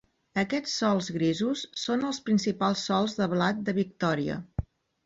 Aquests sòls grisos són els principals sòls de blat de Victòria.